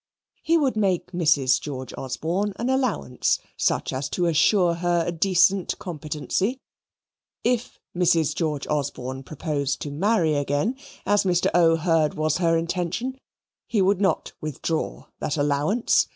He would make Mrs. George Osborne an allowance, such as to assure her a decent competency. If Mrs. George Osborne proposed to marry again, as Mr. O. heard was her intention, he would not withdraw that allowance.